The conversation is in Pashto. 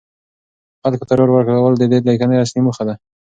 خلکو ته ډاډ ورکول د دې لیکنې اصلي موخه ده.